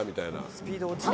スピード落ちない。